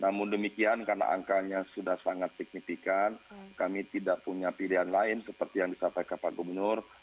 namun demikian karena angkanya sudah sangat signifikan kami tidak punya pilihan lain seperti yang disampaikan pak gubernur